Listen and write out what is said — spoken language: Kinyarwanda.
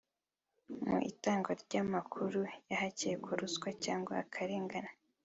Mu itangwa ry’amakuru y’ahakekwa ruswa cyangwa akarengane